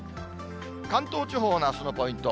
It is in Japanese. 関東地方のあすのポイント。